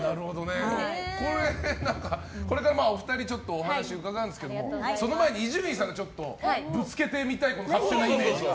これからお二人ちょっとお話、伺うんですけどその前に伊集院さんのぶつけてみたい勝手なイメージを。